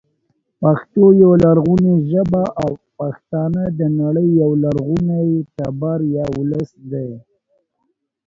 پښتو يوه لرغونې ژبه او پښتانه د نړۍ یو لرغونی تبر یا ولس دی